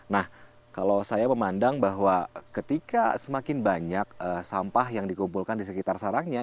nah kalau saya memandang bahwa ketika semakin banyak sampah yang dikumpulkan di sekitar sarangnya